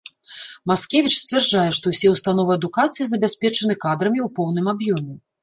Маскевіч сцвярджае, што ўсе ўстановы адукацыі забяспечаны кадрамі ў поўным аб'ёме.